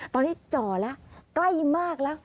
ตอนนี้จ่อแล้วใกล้มากแล้ว